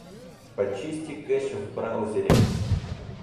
Почисти кеш в браузере.